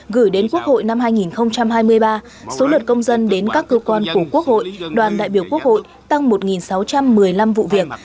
gửi đến quốc hội năm hai nghìn hai mươi ba số lượt công dân đến các cơ quan của quốc hội đoàn đại biểu quốc hội tăng một sáu trăm một mươi năm vụ việc